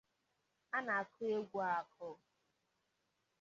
a na-akụ egwu akụ